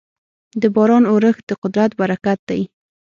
د باران اورښت د قدرت برکت دی.